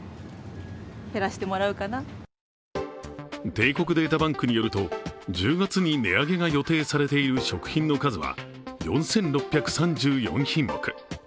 帝国データバンクによると１０月に値上げが予定されている食品の数は４６３４品目。